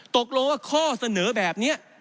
ตกลงว่าข้อเสนอแบบนี้